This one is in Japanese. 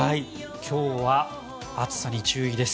今日は暑さに注意です。